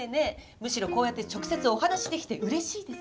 むしろこうやって直接お話しできてうれしいです。